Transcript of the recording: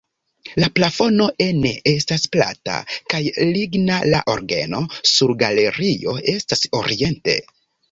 La plafono ene estas plata kaj ligna, la orgeno sur galerio estas oriente.